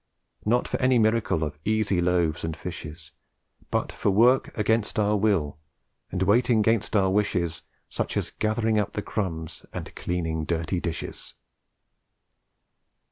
Not for any miracle of easy loaves and fishes, But for work against our will and waiting 'gainst our wishes Such as gathering up the crumbs and cleaning dirty dishes.